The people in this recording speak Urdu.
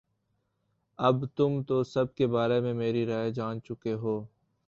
اب تم تو سب کے بارے میں میری رائے جان چکے ہو